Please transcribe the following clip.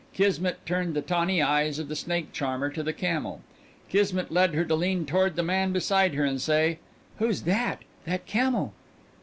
Kismet turned the tawny eyes of the snake charmer to the camel. Kismet led her to lean toward the man beside her and say, "Who's that? That camel?"